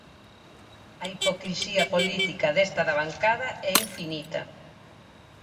A hipocrisía política desta da bancada é infinita.